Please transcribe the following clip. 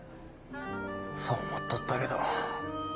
そう思うとったけど。